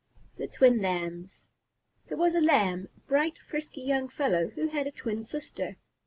THE TWIN LAMBS There was a Lamb, a bright, frisky young fellow, who had a twin sister.